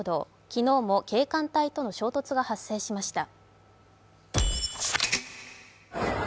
昨日も警官隊との衝突が発生しました。